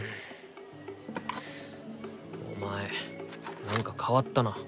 お前なんか変わったな。